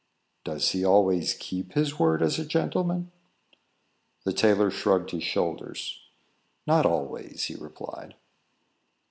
"Does he always keep his word as a gentleman?" The tailor shrugged his shoulders. "Not always," he replied.